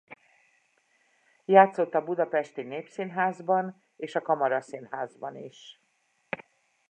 Játszott a budapesti Népszínházban és a Kamaraszínházban is.